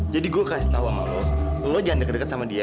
gue kasih tau sama lo lo jangan deket deket sama dia